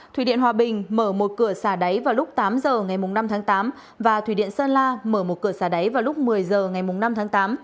thủy điện hòa bình mở một cửa xả đáy vào lúc tám giờ ngày năm tháng tám và thủy điện sơn la mở một cửa xả đáy vào lúc một mươi h ngày năm tháng tám